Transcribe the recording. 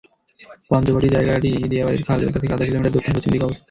পঞ্চবটি জায়গাটি দিয়াবাড়ির খাল এলাকা থেকে আধা কিলোমিটার দক্ষিণ-পশ্চিম দিকে অবস্থিত।